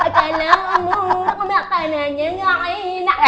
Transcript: kalau murah makanannya nggak enak